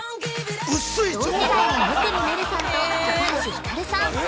◆同世代の生見愛瑠さんと高橋ひかるさん。